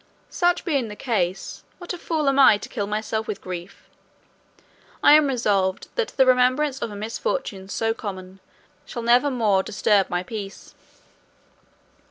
Such being the case, what a fool am I to kill myself with grief? I am resolved that the remembrance of a misfortune so common shall never more disturb my peace."